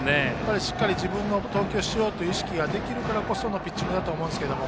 しっかり自分の投球をしようという意識ができるからこそのピッチングだと思うんですけど。